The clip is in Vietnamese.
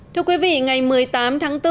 thưa quý vị ngày một mươi tám tháng bốn